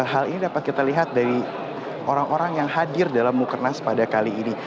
hal ini dapat kita lihat dari orang orang yang hadir dalam mukernas pada kali ini